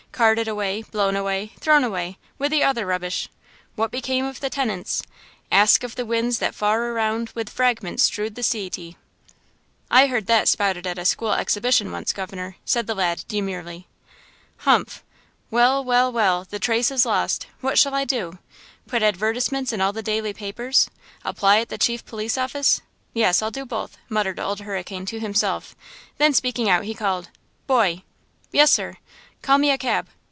Carted away, blown away, thrown away, with the other rubbish. What became of the tenants? " 'Ask of the winds that far around With fragments strewed the sea ty!' I heard that spouted at a school exhibition once, governor!" said the lad, demurely. "Humph! well, well well! the trace is lost! What shall I do?–put advertisements in all the daily papers–apply at the chief police office? Yes, I'll do both," muttered Old Hurricane to himself; then, speaking out, he called: "Boy!" "Yes, sir!" "Call me a cab!"